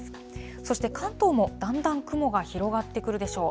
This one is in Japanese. そして関東もだんだん雲が広がってくるでしょう。